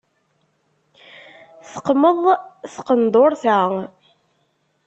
Teqmeḍ tqenduṛt-a.